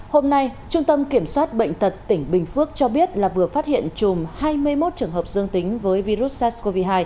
hôm nay trung tâm kiểm soát bệnh tật tỉnh bình phước cho biết là vừa phát hiện chùm hai mươi một trường hợp dương tính với virus sars cov hai